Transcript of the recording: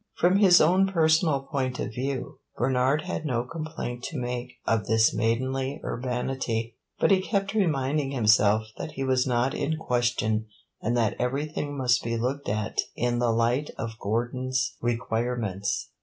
From his own personal point of view Bernard had no complaint to make of this maidenly urbanity, but he kept reminding himself that he was not in question and that everything must be looked at in the light of Gordon's requirements.